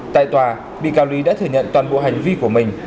tại tòa bị cáo lý đã thừa nhận toàn bộ hành vi của mình